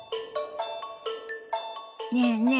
ねえねえ